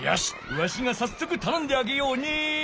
わしがさっそくたのんであげようね。